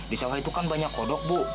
di sawah itu kan banyak kodok bu